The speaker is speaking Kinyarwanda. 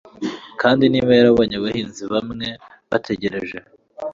kandi niba yarabonye abahinzi bamwe bategereje